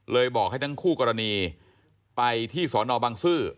บอกให้ทั้งคู่กรณีไปที่สอนอบังซื้อ